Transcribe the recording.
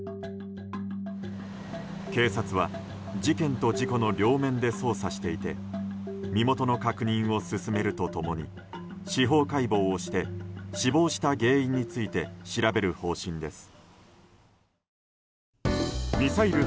警察は事件と事故の両面で捜査していて身元の確認を進めると共に司法解剖をして死亡した原因について調べる方針です。